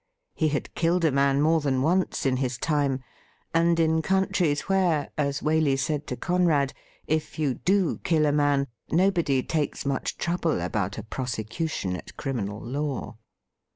He had killed a man more than once in his time — and in countries where, as Waley said to Conrad, if you do kill a man, nobody takes much trouble about a prosecution at criminal law.